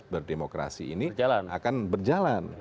berdemokrasi ini akan berjalan